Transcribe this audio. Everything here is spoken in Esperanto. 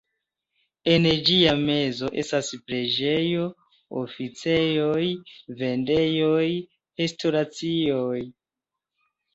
En ĝia mezo estas preĝejo, oficejoj, vendejoj, restoracioj.